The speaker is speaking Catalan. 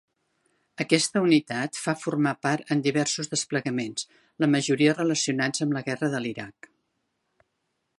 Aquesta unitat fa formar part en diversos desplegaments, la majoria relacionats amb la Guerra de l'Iraq.